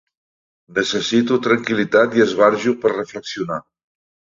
Necessito tranquil·litat i esbarjo per reflexionar.